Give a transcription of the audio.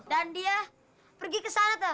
dan dia pergi ke sana tuh